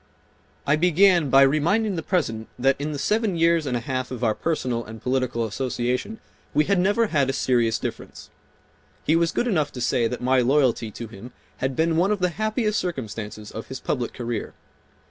I began by reminding the President that in the seven years and a half of our personal and political association we had never had a serious difference. He was good enough to say that my loyalty to him bad been one of the happiest circumstances of his public career.